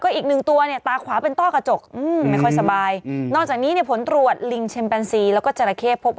มีรอยจำคนไหมมีรอยจำคนไหมมีรอยจำคนไหม